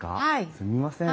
すみません。